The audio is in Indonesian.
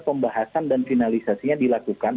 pembahasan dan finalisasinya dilakukan